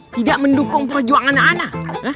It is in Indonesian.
tidak mendukung perjuangan anak anak